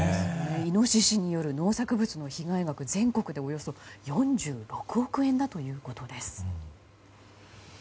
イノシシによる農作物の被害額全国でおよそ４６億円だということです。